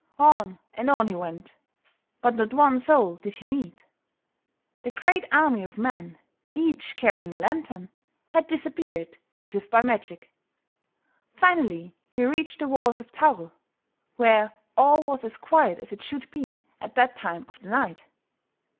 On and on he went; but not one soul did he meet. The great army of men, each carrying a lantern, had disappeared as if by magic. Finally he reached the walls of Thaur, where all was as quiet as it should be at that time of the night.